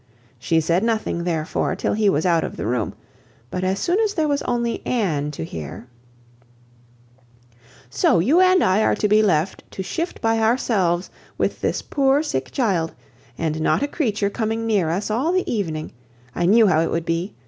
She said nothing, therefore, till he was out of the room, but as soon as there was only Anne to hear— "So you and I are to be left to shift by ourselves, with this poor sick child; and not a creature coming near us all the evening! I knew how it would be.